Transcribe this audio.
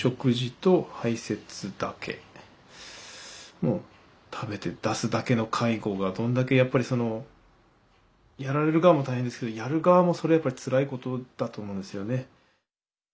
もう食べて出すだけの介護がどんだけやっぱりそのやられる側も大変ですけどやる側もそれはやっぱりつらいことだと思うんですよね。